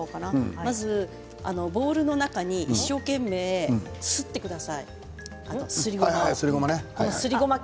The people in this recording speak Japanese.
まず、ボウルの中に一生懸命すってくださいすりごまを。